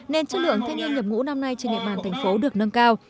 nên chất lượng thanh niên nhập ngũ năm nay trên địa bàn thành phố được nâng cao